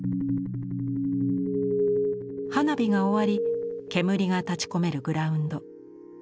花火が終わり煙が立ちこめるグラウンド。